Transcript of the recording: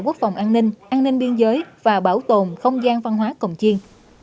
quốc phòng an ninh an ninh biên giới và bảo tồn không gian văn hóa cổng chiên